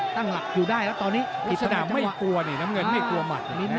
ตั้งหลักอยู่ได้แล้วตอนนี้น้ำเงินไม่กลัวมัน